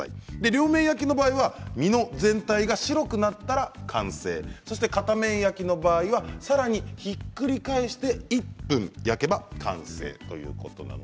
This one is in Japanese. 両面焼きの場合は身の全体が白くなったら完成片面焼きの場合は、さらにひっくり返して１分焼けば完成ということです。